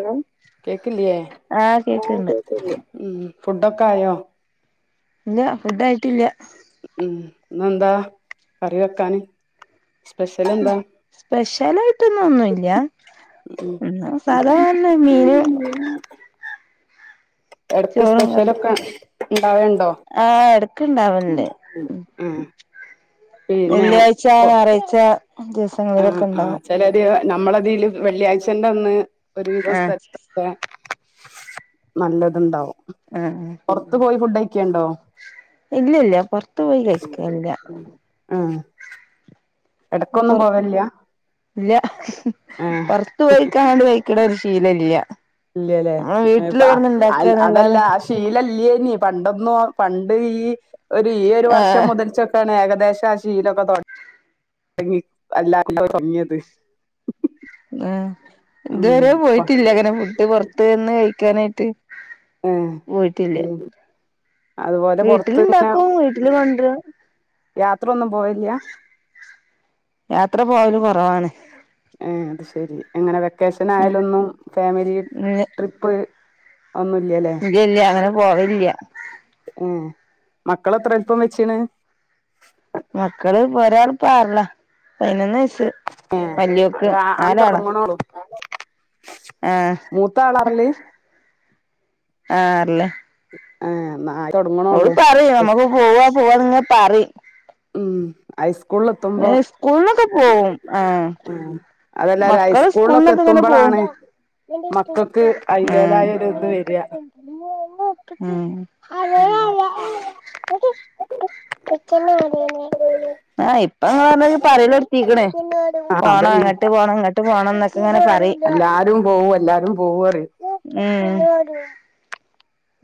ഏഹ് [unintelligible] കേക്കിലേ ആഹ് കേക്ക്ണ്ട് ഫുഡൊക്കെ ആയോ? ഇല്ല ഫുഡ് ആയിട്ടില്ല ഉം ഇന്നെന്താ കറി വെക്കാന് സ്പെഷ്യൽ ഉം എന്താ സ്പെഷ്യൽ ആയിട്ടൊന്നും ഒന്നുല്ല ഉം ഒന്ന് സാധാരണ മീന് ഇടക്ക് ചോറും കറിം സ്പെഷ്യലൊക്കെ ഇണ്ടാവല്ണ്ടോ? ആഹ് എടക്ക്ണ്ടാവല്ണ്ട്. ഉം പിന്നെ വെള്ളിയാഴ്ച പൊ ഞായറാഴ്ച. ദി ആഹ് ആഹ് ചെലത് നമ്മളതില് വെള്ളിയാഴ്ചന്റെ ഒന്ന് ഒരുവിധം ആഹ് സ്ഥലതൊകെ. ക്കെ നല്ലതുണ്ടാവും. ആഹ് ആഹ് പൊറത്തു പോയി ഫുഡ് കഴിക്കേണ്ടോ? ഇല്ല ഇല്ല പൊറത്തു പോയി കഴിക്കാല്യ ആഹ്- എടക്കൊന്നും പൊർ പോവലില്ല ഇല്ല്യ ഏഹ് പൊർ ത്തു പോയിക്കാണ്ട് കഴിക്ക്ണ ഒരു ശീല ല്ല്യ. ഇല്ലല്ലേ അതല്ല. ഇണ്ടാക്കാന്നല്ലാതെ ശീലല്ലേനി പണ്ടൊന്നു പണ്ട് ഈ ഒരു ഈ ഒരു വർഷം ആഹ് മുതൽ. ലാണ് ഏകദേശം ആ ശീലൊക്കെ [unintelligible] അല്ലാരു കൂടി തൊടങ്ങിയത് ആ ഉം ഇതുവരെ പോയിട്ടില്ല അങ്ങനെ ഫുഡ് പൊറത്ത് നിന്ന് കഴിക്കാനായിട്ട്. ആഹ് പോയിട്ടില്ല [unintelligible] അതുപോലെ പുറത്ത്നെ വീട്ടിലുണ്ടാക്കും വീട്ടില് കൊണ്ടരും യാത്രൊന്നും പോവലില്ല. യാത്ര പോവല് കൊറവാണ്. ഏഹ് അത് ശെരി അങ്ങനെ വെക്കേഷൻ ഉം ആയാലൊന്നും ഫാമിലി ട്രിപ്പ്. അതൊന്നുല്ലല്ലേ.? ഇല്ല്യ ഇല്ല്യ അങ്ങനെ പോവലില്ല. ഏഹ് മക്കള് എത്ര വല്പം വെചീണ്. മക്കള് ഒരാൾ ഇപ്പ ആറില പതിനൊന്ന് വയസ്. എഹ് [unintelligible] ആഹ് മൂത്ത ആളാ ആറില്? ആഹ് ആറില. ആഹ് [unintelligible] ഓൾ പറിം നമക്ക് പോവാ പോവാന്ന്ങ്ങെ പറിം. ഉം ഹൈസ്കൂളിൽ എത്തുമ്പോ ഏഹ് സ്കൂളിലൊക്കെ പോവും. ആഹ് ഉം അതെല്ലാരും മക്കള് ഹൈസ്കൂളിലൊക്കെ സ്കൂളിലൊക്കെ ഇങ്ങനെ പോകും. എത്തുമ്പോഴാണ് മക്കൾക്ക് അതിന്റേതായ ഉം ഒരു ഇത് വരിക ഉം ഉം [unintelligible] ആ ഇപ്പ ഇങ്ങ പറയലൊ ടുത്തിക്ക്ണ് ആ പോണ അതന്നെ അങ്ങട്ട് ഇട്ട് പോണം ഇങ്ങോട്ട് പോണന്നൊക്കെ ഇങ്ങനെ പ റിം ആരും പോകും എല്ലാരും. ഓവറ് ഉം [inaudible]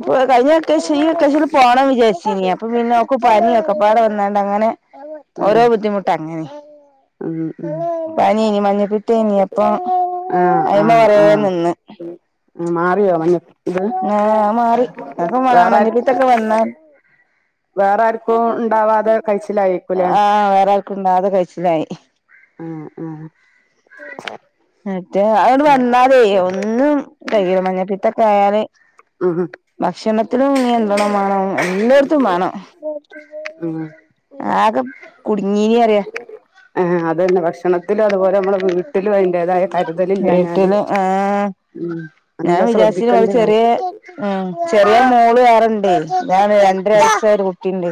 ഇപ്പൊ കഴിഞ്ഞ വേക്കേക്ഷ, ഈ വേക്കേക്ഷന് പോണം വിചാരിച്ചിനി അപ്പൊ പിന്നെ ഓക്ക് പനിയൊക്കെ പാടെ വന്നാണ്ട് അങ്ങനെ ആഹ് ഓരോ ബുദ്ധി മുട്ട ങ്ങനെ ഉം ഉം പനി മഞ്ഞപ്പിത്തേനി അപ്പം ആഹ് അയ്മേ ആഹ് കുറെ ആഹ് നിന്ന്. മാറിയോ മഞ്ഞ ഇത് മാറി അപ്പ വേറെ മഞ്ഞപ്പിത്തക്കെ വന്നാ വേറെ ആർക്കും ഉണ്ടാവാതെ കഴിച്ചിലായിരിക്കൂലേ ആ വേറെ ആർക്കുണ്ടാവാതെ കയിച്ചിലായി- ആഹ് ആഹ് മറ്റേ അതോട് വന്നാലേ ഒന്നും കൈ മഞ്ഞപ്പീത്തൊക്കെ ആയാല് ആഹ് ഭക്ഷണത്തിനും, നിയന്ത്രണം വാണം എല്ലോട്ത്തും വാണം. ഉം ആക്കെ കുടുങ്ങീനി പറയാ ആഹ് അതന്നെ ഭക്ഷണ ഭക്ഷണത്തിലും അതുപോലെ നമ്മുടെ വീട്ടിലും അതിൻ്റെതായ കരുതലിഞ്ഞാല്. വീട്ടില് ആഹ് ഉം ഞാൻ നല്ല വിചാരിച്ചിന് ഓള് ശ്രദ്ധിക്കേണ്ട ചെറിയ കാര്യ ഉം ചെറിയ മോള് വേറണ്ടയ്, അതാണ്‌ ഞാന് ഒരയസായ ഒരു കുട്ടിണ്ട്.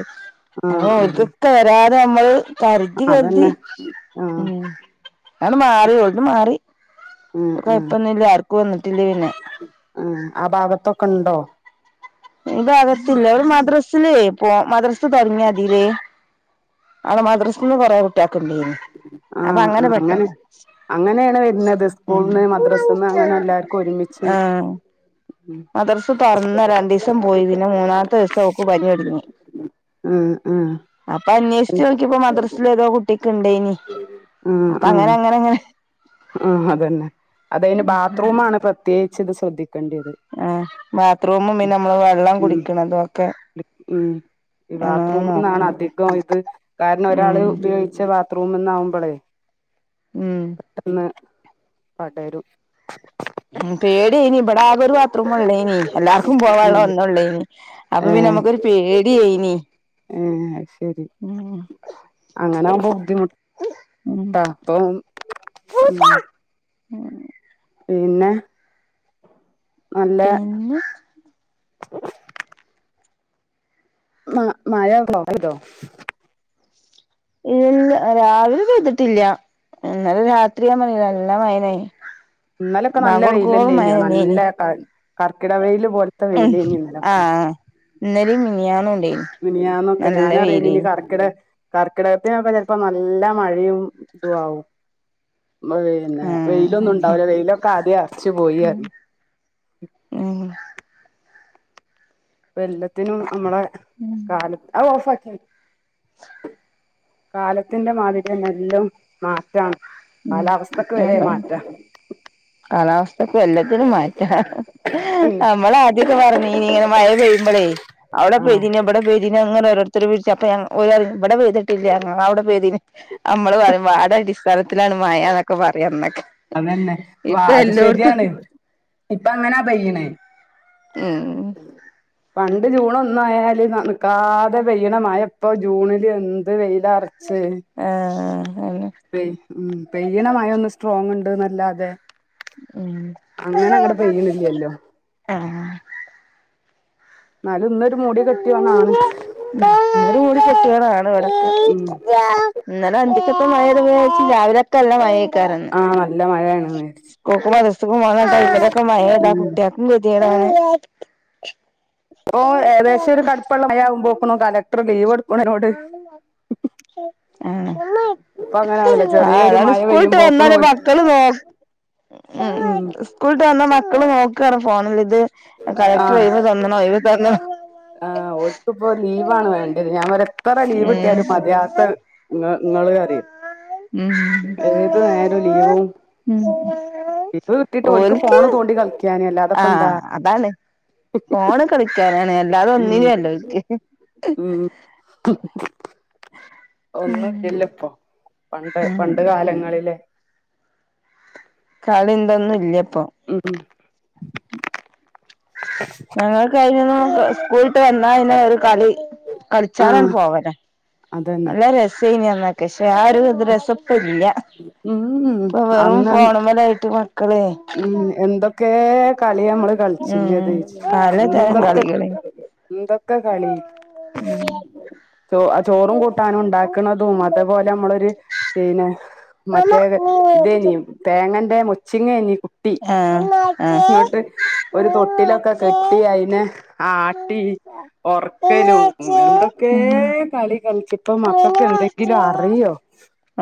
ആഹ് അപ്പോ ഒൾ ആഹ് ക്കൊക്കെ വരാതെ നമ്മള് കരുതി കരുതി അതന്നെ ആഹ് ഉം അങ്ങട് മാറി ഒഴിഞ്ഞുമാറി. ഉം ഉം കൊഴപ്പൊന്നും ഇല്ല, ആർക്കും വന്നിട്ടില്ല പിന്നെ ഉം ആഹ് ഭാഗത്തൊക്കെ ഉണ്ടോ?. ഈ ഭാകത്തില്ല. അവര് മദ്രാസില് പോ മദ്രാസ് തൊടങ്ങിയതീല് അങ്ങനെ മദ്രസ്ന്ന് കുറേ കുട്ടിയാക്ക് ഇണ്ടെയ്‌നു ആഹ് ആഹ് അങ്ങനെ അങ്ങനെണ് വരുന്നത് ഉം സ്കൂളിന്ന് മദ്രസിൽന്ന് അങ്ങനെ എല്ലാവർക്കും ഒരുമിച്ച് മദർസ് തോർന്ന രണ്ടീസം പോയി, പിന്നെ മൂന്നാമത്തെ ദിസം ഓക്ക് പനി തൊടങ്ങി. ഉം ഉം അപ്പൊ അന്വേഷിച്ച് നോക്കിയപ്പോ മദ്രാസിലോരോ കുട്ടിക്ക് ഇണ്ടേനി ആഹ് അപ്പൊ അങ്ങനെ ആഹ് അങ്ങനെങ്ങനെ ആഹ് അതന്നെ അത് അയ്ന് ബാത്റൂം ആണ് പ്രത്യേകിച്ച് ഇത് ശ്രദ്ധിക്കേണ്ടത് ആഹ് ബാത്റൂമും പിന്നെ നമ്മള് വെള്ളം ഉം കുടിക്കണതൊക്കെ?. ഉം ഈ ബാത്റൂംന്നാണ് നോക്കണം അധികം ഇത് കാരണം ഒരാള് ഉം ഉപയോഗിച്ച ബത്റൂം ബാത്രറൂം ന്നാവുമ്പ ള് ഉം പെട്ടെന്ന് പടരും ഉം പേടിഅയ്നി ഇബടെ ആകെ ഒരു ബാത്ത്റൂം മാത്രമള്ളയ്നി എല്ലാർക്കും പോവാനുള്ള ഉം ഒന്നള്ളേനി അപ്പൊ പി ഏഹ് നമുക്കൊരു പേടിഅയ്നി ആഹ് ശരി അങ്ങന ആവുമ്പോ ബുദ്ധിമുട്ട്. ഉം അപ്പവും ഉം പിന്നെ നല്ല [unintelligible] ഉം മഴ ണ്ടോ പെയ്തോ ഇല്യ രാവിലെ പെയ്തിട്ടില്ല ഉം ഇന്നലെ രാത്രി ഞാൻ പറഞ്ഞില്ലെ നല്ല മഴയ്നെയ് ഇന്നലൊക്കെ നല്ല വെയിലല്ലേയ്നോ നല്ല തന്നെയേനി കർ കർക്കിട വെയ്ല് പോലത്തെ വെയിലേയ്നി ഇന്നലൊക്കെ ഇന്നലിം മിനിയാന്നും ഇണ്ടെയ്നി മിനിയാന്നൊക്കെ ഞാനറിയ ഇനി കർക്കിട കർക്കിടകത്തിനൊക്കെ ചിലപ്പോ നല്ല മഴയും ഇതു ആവും പിന്നെ ആഹ് വെയിലൊന്നും അതെ ഉണ്ടാവില്ല വെയിലൊക്കെ ആദ്യം അറ്ച്ചു പോയി പറയും ഉം ഇപ്പൊ എല്ലത്തിനും അമ്മളെ കാലത്ത് അഹ് ഓഫ് ആക്ക് കാലത്തിന്റെ മാതിരി ന്നെ എല്ലം മാറ്റാണ് ഉം കാലാവസ്ഥക്ക് വരെ മാറ്റാണ് കാലാവസ്ഥക്കും എല്ലാത്തിനും മാറ്റാ നമ്മള് ആദ്യം തന്നെ. ഞമ്മൾ ആദ്യൊക്കെ പറഞ്ഞീനി ഇങ്ങനെ മഴ പെയ്യുമ്പോഴേ അവിടെ ആഹ് പെയ്തിനോ ഇവിടെ പെയ്തിനോ അങ്ങനെ ഒരോരുത്തര് വിളിച്ചപ്പ ഞാൻ ഓര് പറിം ഇവിടെ പെയ്തിട്ടില്ല ഞങ്ങളവിടെ പെയ്തിന് നമ്മള് പറയും വാർഡ് അടിസ്ഥാനത്തിലാണ് മയ ന്നൊക്കെ പറയും അന്നൊക്കെ അതന്നെ വ ഇപ്പൊ അത് എല്ലോട്ത്തും ശെരിയാണ് ഇപ്പൊ അങ്ങനാ പെയ്യണ് ഉം പണ്ട് ജൂണ് ഒന്നായാല് നിക്കാതെ പെയ്യണ മഴെപ്പൊ ജൂണിലെന്ത് വെയിലാറ് ആഹ് അതെന്നെ പെയ് ഉം പെയ്യ്ണ മഴൊന്ന് സ്ട്രോങ്ണ്ട്ന്നെല്ലാതെ ഉം അങ്ങനെങ്ങട്ട് പെയ്യ്ണില്ലല്ലോ ആഹ് ഇന്നാലുന്നൊരു മുടി കെട്ടിയോണാണ് ഇന്ന് ഒര് മൂടി കെട്ടിയതാണ് ഇവടൊക്കെ ഉം ഇന്നലെ അന്തിക്കൊത്തെ മഴ പെയ്തപ്പം ഞാൻ വിചാരിച്‌ രാവിലൊക്കെ നല്ല മഴെ കാരംന്ന് ആഹ് നല്ല മഴയാണ്ന്ന് വിചാരിച്ച് സ്കൂക്കും മദ്രസ്ക്കും പോണ ടൈമിലൊക്കെ മഴയ്താ ഉം കുട്ടിയാ കും കെതേടാണ് പ്പൊ ഏകദേശൊരു കടുപ്പള്ള മഴയാകുമ്പോക്കുണു കലക്ടർ ലീവ് കൊടു ആഹ് ഇപ്പൊ അങ്ങനെയാണല്ലോ ആഹ് ചെറിയൊരു അതാണ് മഴ സ്കൂള്ട്ട് പെയ്യുമ്പോക്കണു വന്നാല് ഓല് മക്കള് നോ ഉം സ്കൂള്ട്ട് വന്ന മക്കള് നോക്കാണ് ഫോണില് ഇത് കളക്ടർ ആഹ് ഒയ്‌വ് തെന്ന് ണോ ഒയിവ് തെന്ന്ണോ ആഹ് ഓൽക്ക്പ്പോ ലീവാണ് വേണ്ടിയത് ഞാൻ പറയാ എത്ര ലീവ് കിട്ടിയാലും മതിയാത്ത ഇങ്ങള്റിയും ഉം ഏത് നേരും ലീവും ഉം ലീവ് കിട്ടിട്ട് ഓല്ക്ക് ഓൽക്ക് ഫോണ് തോണ്ടി കളിക്കാന് അല്ലാതപ്പെന്താ ആഹ് അതാണ് ഫോണ് കളിക്കാനാണ് ഉം അല്ലാതൊന്നിനുവല്ല ഓല്ക്ക് ഉം [unintelligible] ഒന്നും ഇല്ലല്ലൊപ്പൊ പണ്ട് ഉം പണ്ട് കാലങ്ങളിലെ കളിം ഇതൊന്നുല്ല്യപ്പൊ ഉം ഉം ഞങ്ങക്ക് അയ്നൊന്നും സ്കൂള്ട്ട് വന്നാ പിന്നെ ഒരു കളി കളിച്ചാനാണ് ആഹ് പോവലാ അതന്നെ നല്ല രസേനി അന്നൊക്ക പഷെ ആ ഒരു രസെപ്പെല്ല്യ ഉം ഉം അന്ന് അന്ന് ഫോണുമ്മലായിട്ട് മക്കളെ ഉം എന്ത ക്കെ കളി ഞമ്മള് ഉം കൾച്ചിനത് പലതരം എന്തൊക്കെ ക കളികള് എന്തൊക്കെ കളി ചോ ചോറും കൂട്ടാനും ഇണ്ടാക്കണതും അത്പോലമ്മളൊരു പിന്നെ മറ്റേ ഇതേനീ തേങ്ങന്റെ മൊച്ചിങ്ങേനീ കു ട്ടി ആഹ് ആഹ് ഇങ്ങട്ട് ഒരു തൊട്ടിലൊക്കെ കെട്ടി അയിനെ ആ ട്ടി ഒർക്കലും എന്തൊക്കേ ഉം കളി കളിച്ച് ഇപ്പൊ മക്കക്കെന്തെങ്കിലും അറിയോ?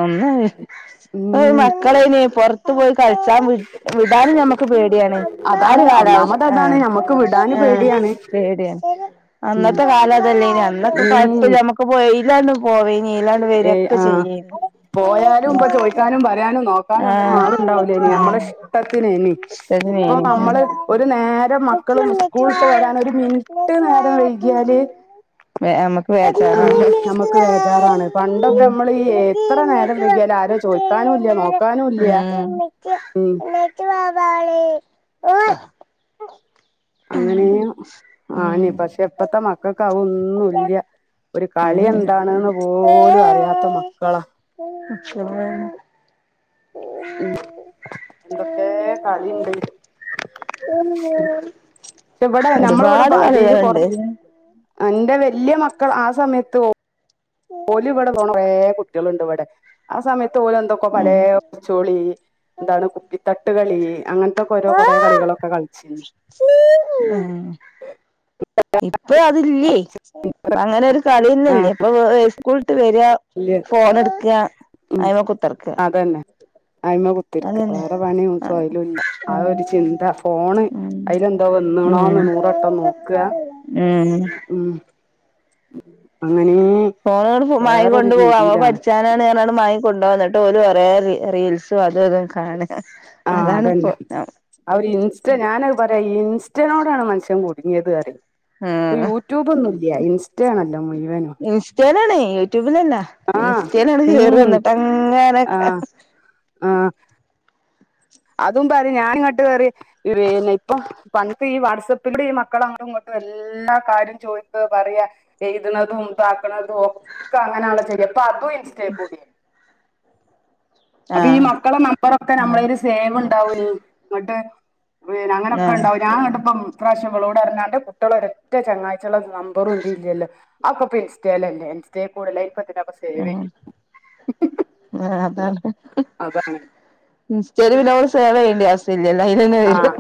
ഒന്ന് അറി ഇപ്പയ്ന് ഉം മക്കളയ്ന് പൊർത്ത് ത്തു പോയി കൾച്ചാ വിട് വിടാനും ഞമ്മക്ക് പേടിയാണ് ആ അതാണ് ഒരു കാലാവസ്ഥ ഒന്നാമത് അതാണ് ആഹ് ഞമ്മക്ക് വിടാന് ആഹ് പേടിയാണ് പേടിയ ഉം അന്നത്തെ കാലം അതല്ലേനി അന്നൊക്കെ ഉം കൊയപ്പല്ല്യ മ്മക്ക് പ്പൊ എയ്ലാണ്ട് പോവേനി എയ്ലാണ്ട് വെരേനി ഏയ് ഒക്കെ ആഹ് ചെയ്യേനി പോയാലും ഇപ്പൊ ചോയ്ക്കാനും, പറയാനും, നോക്കാനും ഒന്നും ആഹ് ആള്ണ്ടാവൂല്ലേനി ആഹ് നമ്മളെഷ്ടത്തിനേനി ഇപ്പൊ ഇഷ്ടത്തിനേനി നമ്മള് ഒരു നേരം മക്കള് സ്കൂള്ട്ട് വെരാന് ഒരു മിനിറ്റ് നേരം വെയ് കിയാല് വേ നമ്മക്ക് ആഹ് ബേജാറാണ് നമ്മക്ക് വേ ചാറാണ് പണ്ടൊക്കമ്മള് ഈ എത്ര നേരം വെങ്കിയാലു ആരു അഹ് ചോയിക്കാനുല്ല്യ നോക്കാനുല്ല്യ ഉം ഉം [unintelligible] [inaudible] അങ്ങനേ ആനി ഉം പക്ഷെ ഇപ്പത്തെ മക്കക്ക് അഹൊന്നുല്ല്യ ഒരു ഉം കളിയെന്താണ്ന്ന് പോലു അറിയാത്ത മക്കളാ [inaudible] ഉം എന്തൊക്കേ കളിയ്ണ്ട് പക്ഷെ ഇവിടെ ഒരുപാട് കളികള് ണ്ടേര്ന്ന് അന്റെ വല്ല്യ യമക്കൾ ആ സമയത്ത് ഓല് ഇവടെ കൊറെകുട്ടികള്ണ്ട് ഇവടെ ആ സമയത്ത് ഓല് എന്തൊക്കെ പലേ ഉം പുട് ചോളി എന്താണ് കുപ്പിത്തട്ടുകളി അങ്ങന് ത്തെ ഓരോ കൊറേ കളികളൊക്കെ കളിച്ചിനി ഉം ഇപ്പൊ അതില്ലേ അങ്ങനെ ഒരു കളി ആ യന്നെല്ല ഇപ്പൊ പ്പ് ആ സ്കൂള്ട്ട് വര വല്യ ഫോൺ എട്ക്ക അയിമ കുത്തർക്ക അതെന്നെ അയിമ കുത്തിര്ക്ക അതന്നെ വേറെ പണിം സൊഹലും ഇല്ല ആ ഒരു ചിന്ത ഫോണ് ഉം അയിലന്തോ ഉം വന്ന്ണോന്ന് നൂറട്ടം നോക്ക ഉം ഉം അങ്ങനെ ഫോണാണ്ട് വേറൊരു മാങ്ങികൊണ്ടു പോവാ അമ്മള് രീതിയിലാണ് പഠിച്ചാ ച്ചാന് റ്ഞ്ഞ് കാണ്ട് മാങ്ങി കൊണ്ടോ വ ന്നട്ട് ഓല് കൊറേ റീൽസും അതും ഇതും കാണ ആഹ്അതന്നെ അവര് ഇൻസ്റ്റ ഞാനഹ് പറയാ ഇൻസ്റ്റനോടാണ് മന്ഷ്യൻ കുടുങ്ങിയേത് അ റിം ഇപ്പ ആഹ് യൂട്യൂബ് ഒന്നുംല്ല ഇൻസ്റ്റ ആണല്ലോ മുഴുവനു ഇസ്റ്റേയിലാണ് യൂട്യൂബിലല്ല ആഹ് ഇൻസ്റ്റേയിലാണ് കേറി വ ഉം ന്നിട്ടങ്ങനെ ആഹ് ആഹ് അതും പറിം ഞാൻ ങ്ങട്ട് പറിം ഈ റീല് ഇപ്പം പണ്ട് ഈ വാട്സാ പ്പിലൂടെ ഈ മക്കള അങ്ങട്ടും ഇങ്ങട്ടും എല്ലാ കാര്യം ചോയിക്ക പറയാ എഴ്ത് ണതുംതാക്കണതും ഒക്കെ അങ്ങനാണല്ലോ ചെയ്യ ഇപ്പൊ അതും ഇൻ സ്റ്റേകൂടി അപ്പ ഈ ആഹ് മക്കളെ നമ്പറൊക്കെ ആഹ് നമ്മളേലു സേവ് ഉണ്ടാവു നി ങ്ങട്ട് വ് അനൊക്കെ ആഹ് ഉണ്ടാവും ഞാൻ ങ്ങട്ട്പ്പം ഇപ്രാശ്യം ഇവ ളോട് അറ്ഞ്ഞ് അന്റെ കുട്ടിയോളെ ഒരെറ്റ ചങ്ങായി ചോളെ നമ്പറും ഇതീ ഇല്ലല്ലോ. ആ ഒക്ക പ്പ ഇൻസ്റ്റേലല്ലേ ഇൻസ്റ്റേ കൂടിയല്ലേ അയ്ന്പ്പ ത്തിനാപ്പ. ഉം അതാണ്. അതാണ് ഇസ്റ്റേൽ പിന്നെ നമ്മള് സേവയ്യണ്ട ആവിശ്യം ഇല്ലല്ലോ അയിലന്നെ വരും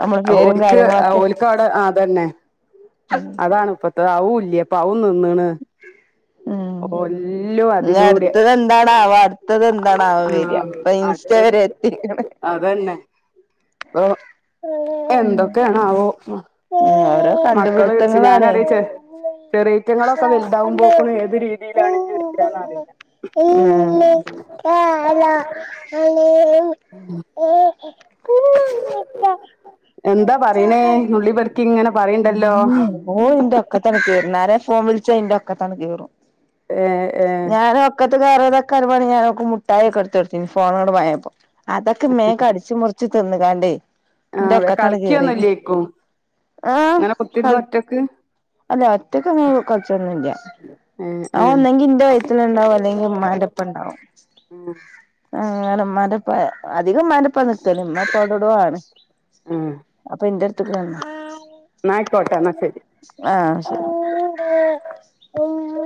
നമ്മള് പേരും കാര്യങ്ങളൊക്കെ ക്ക ടെ ആതന്നെ. അത് അതാണ് ഇപ്പത്തെ അവു ഇല്ല അപ്പ അവു നിന്ന്ണ്. ഉം എല്ലും ഇഞ്ഞ് അതിലൂടെ അടുത്തത് എന്താണാ വാ അടുത്തത് എന്താണാവാ വര് ആ ആഹ് ഇപ്പൊ ഇൻസ്റ്റ അടുത്തത് വരെ എത്തിക്ക്ണ് അതന്നെ അപ്പൊ എന്തൊക്കെയണാവോ. ഉം ഓരോ കണ്ടുപിടുത്തങ്ങളാണേ. ചെ ചെറിയേറ്റങ്ങളൊക്കെ വലുതാവുമ്പോക്കിന് ഏത് രീതിയിലാണ് ഇഞ്ഞ് വരാന്ന റീല്ല. ഉം എന്താ പറിണേ നുള്ളിപർ ക്കിങ്ങനെ. ഉം ഓളിന്റെറ ഒക്കത്തണ് കേറും ആരേ ഫോൺ വിളിച്ചാ ഇന്റെറ ഒക്കത്താണ്ട് കേറും. ഏഹ് ഏഹ് ഞാന്. ഒക്കത്ത് കയറാതക്കാനും വേണ്ടി ഞാ ഓക്ക് മുട്ടായി ഒക്ക ഇടുത്ത്ടുത്തിനു ഫോണാണ്ട് മാങ്ങിയപ്പം അതൊക്കെ മേ കടിച്ച് മുറ്ച്ച് തിന്ന്കാണ്ടേ ഇന്റെ ആഹ് ഒക്കത്താണ്ട് കേറീണ് കളിക്കൊന്നുല്ലേക്കും ആഹ് ഇങ്ങനെ കുത്തിരുന്ന് കളിക്കു ഒറ്റക്ക് അല്ലഒറ്റക്കങ്ങനെ കൾച്ചൊന്നുല്ല ഏഹ് ആ ഏഹ് ഒന്നെങ്കി ഇന്റെ വയ് ത്തോലണ്ടാവും അല്ലെങ്കി മ്മാന്റപ്പണ്ടാവും. ആഹ് അങ്ങനെ മ്മാന്റപ്പ അധികം മ്മാന്റ പ്പ നിക്കല് ഇമ്മപ്പഅവിടെവി ടൊ ആണ് ആഹ് അപ്പഇന്റെ ട്ത്ത്ക്ക് വന്നാ ന്നയ് ക്കോട്ടെ ന്നാ ശരി. ആഹ് ശരി. ഉമ്മ